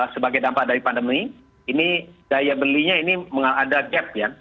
sebagai dampak dari pandemi ini daya belinya ini ada gap ya